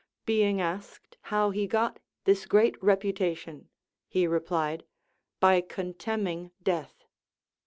Being asked how he got this great reputation, he replied. By contemning death.